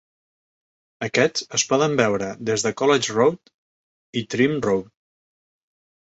Aquests es poden veure des de College Road i Trym Road.